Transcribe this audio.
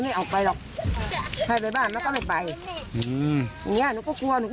ไม่ไปหรอกโปรดกว้า